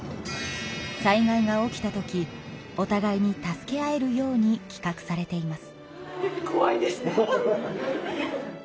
災害が起きた時おたがいに助け合えるようにきかくされています。